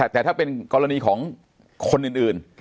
แต่ถ้าเป็นกรณีของคนอื่น